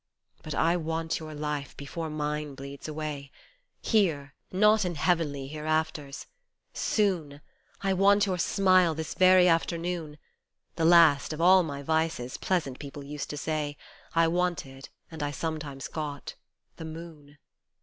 48 But I want your life before mine bleeds away Here not in heavenly hereafters soon, I want your smile this very afternoon, (The last of all my vices, pleasant people used to say, I wanted and I sometimes got the Moon